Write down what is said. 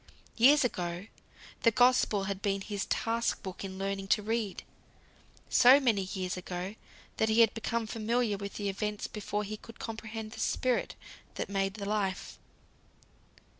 Years ago, the Gospel had been his task book in learning to read. So many years ago, that he had become familiar with the events before he could comprehend the Spirit that made the Life.